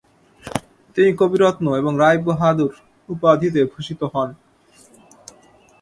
তিনি 'কবিরত্ম' এবং রায় বাহাদুর উপাধিতে ভূষিত হন।